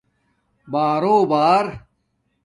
بارݸبݳر